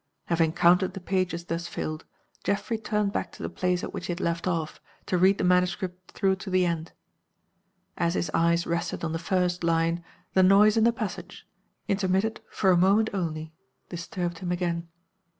Having counted the pages thus filled, Geoffrey turned back to the place at which he had left off, to read the manuscript through to the end. As his eyes rested on the first line the noise in the passage intermitted for a moment only disturbed him again.